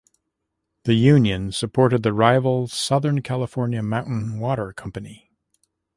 The "Union" supported the rival Southern California Mountain Water Company.